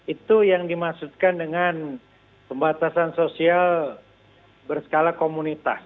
itu yang dimaksudkan dengan pembatasan sosial berskala komunitas